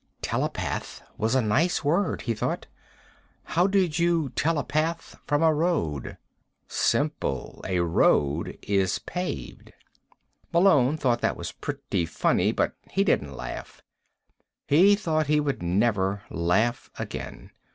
"Telepath" was a nice word, he thought. How did you telepath from a road? Simple. A road is paved. Malone thought that was pretty funny, but he didn't laugh. He thought he would never laugh again.